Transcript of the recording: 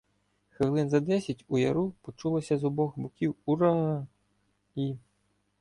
Хвилин за десять у яру почулося з обох боків "ура" і.